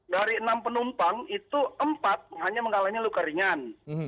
dari enam penumpang itu empat hanya mengalami luka ringan